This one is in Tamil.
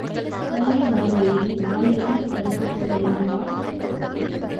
தென்ன மரமேறி நாலு இளநீர் பறித்துப்போட வேண்டுமா?